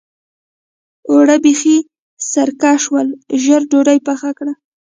اوړه بېخي سرکه شول؛ ژر ډودۍ پخه کړه.